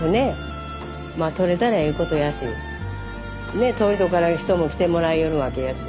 ねえ遠い所から人も来てもらいよるわけやし。